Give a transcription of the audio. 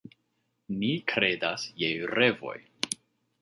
Ni kredas je revoj.